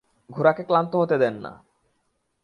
ঘোড়াকে ক্লান্ত হতে দেন না।